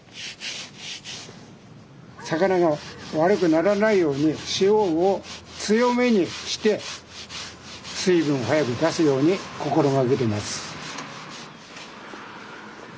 魚が悪くならないように塩を強めにして水分を早く出すように心掛けてます。